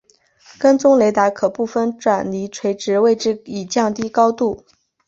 跟踪雷达可部分转离垂直位置以降低高度。